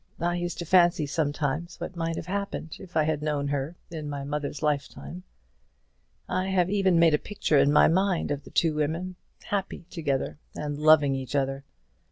I used to fancy sometimes what might have happened if I had known her in my mother's lifetime. I have even made a picture in my mind of the two women, happy together, and loving each other.